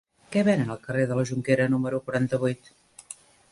Què venen al carrer de la Jonquera número quaranta-vuit?